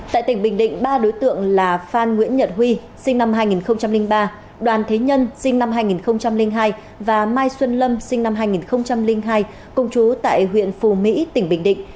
tại tỉnh bình định ba đối tượng là phan nguyễn nhật huy sinh năm hai nghìn ba đoàn thế nhân sinh năm hai nghìn hai và mai xuân lâm sinh năm hai nghìn hai cùng chú tại huyện phù mỹ tỉnh bình định